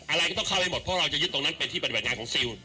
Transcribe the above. อะไรก็ต้องเข้าไปหมดเพราะเราจะยึดตรงนั้นเป็นที่ปฏิบัติงานของซิล